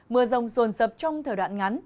mưa rông sồn sập trong thời đoạn ngắn